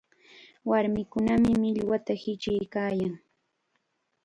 Warmikunam millwata hichiykaayan.